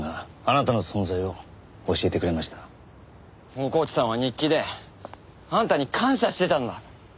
大河内さんは日記であんたに感謝してたんだ。